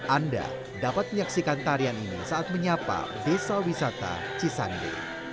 anda dapat menyaksikan tarian ini saat menyapa desa wisata cisanggi